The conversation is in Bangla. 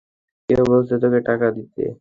কে বলছে তোকে টাকা দিতে?